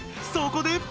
そこで！